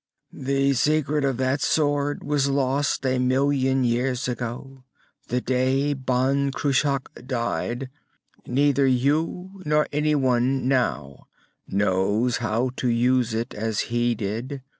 "The secret of that sword was lost a million years ago, the day Ban Cruach died. Neither you nor anyone now knows how to use it as he did.